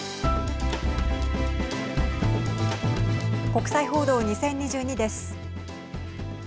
国際報道２０２２です。